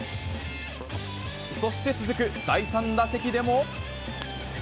そして続く第３打席でも。